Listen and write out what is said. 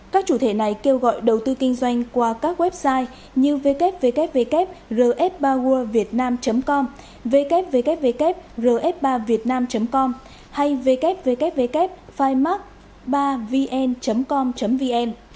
các chủ thể này kêu gọi đầu tư kinh doanh qua các website như www rfpowervietnam com www rf ba vietnam com hay www firmark ba vn com vn